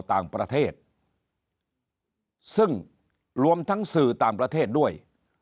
ต่างประเทศซึ่งรวมทั้งสื่อต่างประเทศด้วย